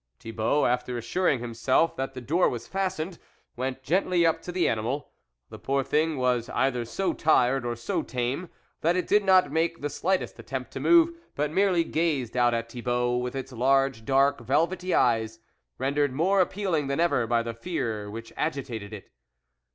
Thibault, after assuring himself that the door was fastened, went gently up to the animal ; the poor thing was either so tired, or so tame, that it did not make the slightest attempt to move, but merely gazed out at Thibault with its large dark velvety eyes, rendered more appealing than ever by 'the fear which agitated it.